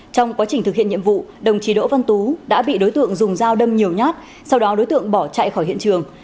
trong quá trình thực hiện nhiệm vụ đồng chí đỗ văn tú đã bị đối tượng dùng dao đâm nhiều nhát sau đó đối tượng bỏ chạy khỏi hiện trường